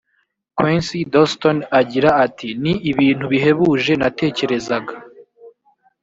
quincy dotson agira ati ni ibintu bihebuje natekerezaga